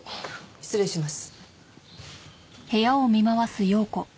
失礼します。